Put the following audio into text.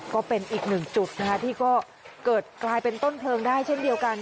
ก็เป็นอีกหนึ่งจุดนะคะที่ก็เกิดกลายเป็นต้นเพลิงได้เช่นเดียวกัน